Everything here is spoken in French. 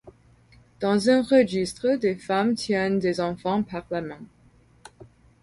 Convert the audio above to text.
Dans un registre, des femmes tiennent des enfants par la main.